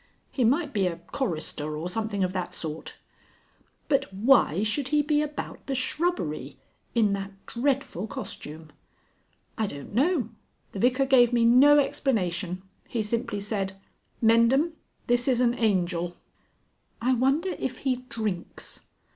He might be a chorister or something of that sort." "But why should he be about the shrubbery ... in that dreadful costume?" "I don't know. The Vicar gave me no explanation. He simply said, 'Mendham, this is an Angel.'" "I wonder if he drinks....